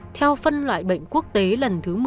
theo phân loại bệnh quốc tế lần thứ một mươi